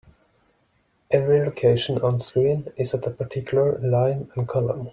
Every location onscreen is at a particular line and column.